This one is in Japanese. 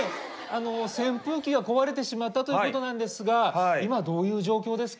あの扇風機が壊れてしまったということなんですが今どういう状況ですか？